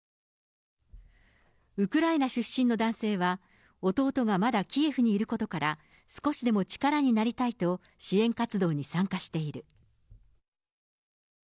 ウクライナ出身の男性は、弟がまだキエフにいることから、少しでも力になりたいと、支援活動に参加している。